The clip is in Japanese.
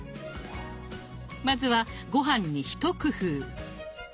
まずはごはんに一工夫。